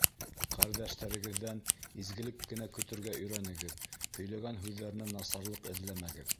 — Ҡәрҙәштәрегеҙҙән изгелек кенә көтөргә өйрәнегеҙ, һөйләгән һүҙҙәренән насарлыҡ эҙләмәгеҙ.